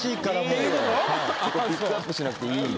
ピックアップしなくていい。